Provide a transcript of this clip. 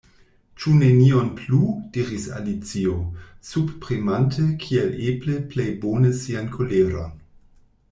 "Ĉu nenion plu?" diris Alicio, subpremante kiel eble plej bone sian koleron.